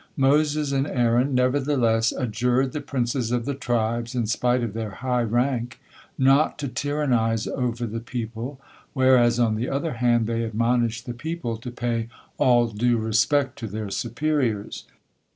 Moses and Aaron nevertheless adjured the princes of the tribes, in spite of their high rank, not to tyrannize over the people, whereas, on the other hand, they admonished the people to pay all due respect to their superiors.